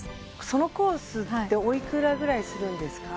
そのコースっておいくらぐらいするんですか？